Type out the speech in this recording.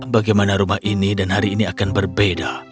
bagaimana rumah ini dan hari ini akan berbeda